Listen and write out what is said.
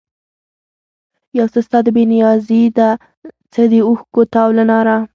یو څه ستا د بې نیازي ده، څه د اوښکو تاو له ناره